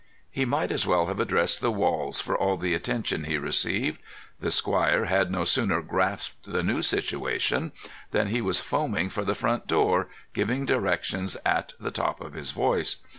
He might as well have addressed the walls for all the attention he received. The squire had no sooner grasped the new situation than he was foaming for the front door, giving directions at the top of his voice.